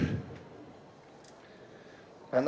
sebelum kamu menjadi gubernur